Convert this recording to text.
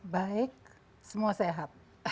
baik semua sehat